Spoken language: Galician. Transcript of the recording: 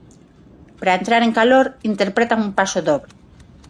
Para entrar en calor, interpretan un pasodobre.